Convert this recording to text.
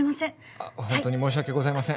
あっほんとに申し訳ございません。